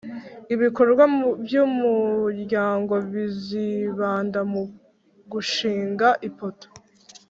Ibikorwa by umuryango bizibanda mu gushinga ipoto